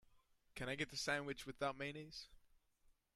Can I get the sandwich without mayonnaise?